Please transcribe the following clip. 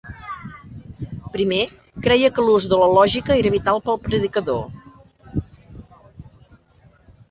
Primer, creia que l'ús de la lògica era vital per al predicador.